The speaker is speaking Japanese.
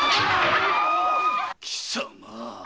貴様！